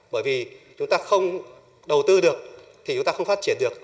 bởi vì chúng ta không đầu tư được thì chúng ta không phát triển được